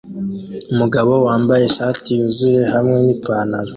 Umugabo wambaye ishati yuzuye hamwe nipantaro